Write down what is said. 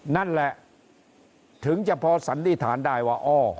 นั่นแหละถึงจะพอสันนิษฐานได้ว่าอ้อ